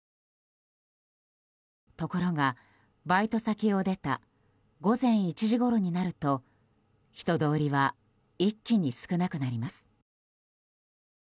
ところが、バイト先を出た午前１時ごろになると人通りは一気に少なくなります。